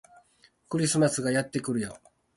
クリスマスがやってくるよ